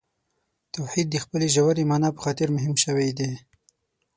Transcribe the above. توحید د خپلې ژورې معنا په خاطر مهم شوی دی.